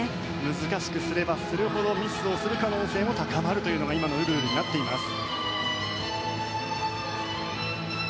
難しくすればするほどミスをする可能性が高まるのが今のルールになっています。